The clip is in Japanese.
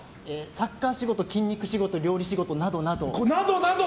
サッカー仕事、筋肉仕事料理仕事などなど。